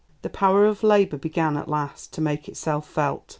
The power of Labour began, at last, to make itself felt.